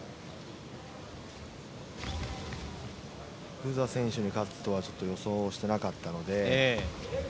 ブザ選手に勝つとは予想していなかったので。